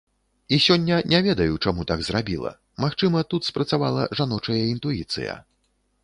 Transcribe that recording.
І сёння не ведаю, чаму так зрабіла, магчыма, тут спрацавала жаночая інтуіцыя.